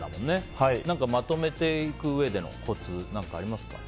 何かまとめていくうえでのコツってありますか？